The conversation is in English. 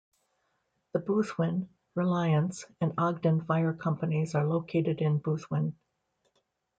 The Boothwyn, Reliance, and Ogden fire companies are located in Boothwyn.